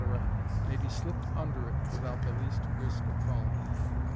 — may be slipped under it with out the least risk of falling.